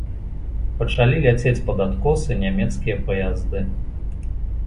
Пачалі ляцець пад адкосы нямецкія паязды.